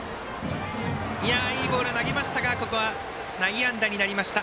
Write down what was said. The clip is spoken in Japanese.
いいボールを投げましたが内野安打になりました。